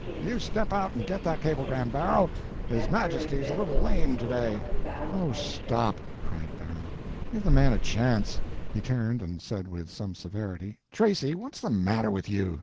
"You step out and get that cablegram, Barrow; his majesty's a little lame to day." "Oh stop," cried Barrow; "give the man a chance." He turned, and said with some severity, "Tracy, what's the matter with you?